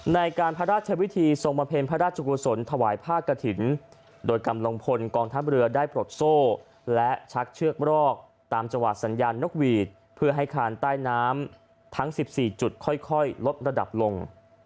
ในการพระราชวิธีทรงบำเพ็ญพระราชกุศลถวายผ้ากระถิ่นโดยกำลังพลกองทัพเรือได้ปลดโซ่และชักเชือกรอกตามจังหวะสัญญาณนกหวีดเพื่อให้คานใต้น้ำทั้ง๑๔จุดค่อยลดระดับลง